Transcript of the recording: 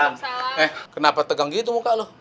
eh kenapa tegang gitu muka loh